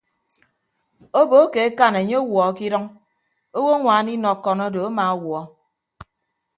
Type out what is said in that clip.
Obo akekan enye ọwuọ ke idʌñ owoñwaan inọkon do amawuọ.